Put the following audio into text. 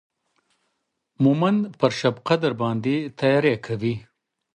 مهمند پر شبقدر باندې تیاری کوي.